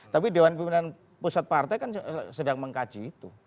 tapi dewan pimpinan pusat partai kan sedang mengkaji itu